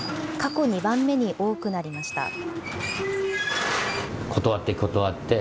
過去２番目に多くなりました。